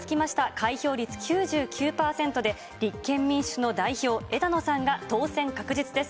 開票率９９％で、立憲民主の代表、枝野さんが当選確実です。